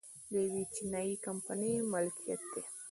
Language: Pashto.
د یوې چینايي کمپنۍ ملکیت دی